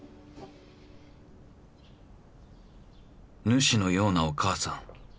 主のようなお母さん